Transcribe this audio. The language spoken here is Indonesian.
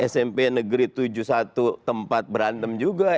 smp negeri tujuh puluh satu tempat berantem juga